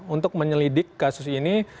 untuk menyelidik kasus ini